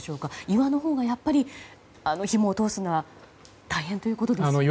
岩のほうが、やっぱりひもを通すのは大変ということですよね。